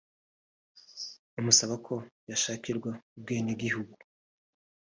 amusaba ko yashakirwa ubwenegihugu